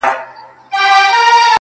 تک سپين کالي کړيدي.